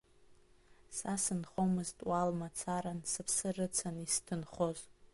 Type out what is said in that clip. Са сынхомызт уал мацаран, сыԥсы рыцын исҭынхоз.